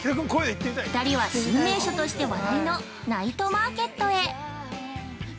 ２人は新名所として話題のナイトマーケットへ。